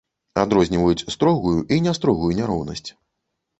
Адрозніваюць строгую і нястрогую няроўнасць.